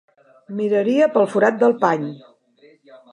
Miraria pel forat del pany.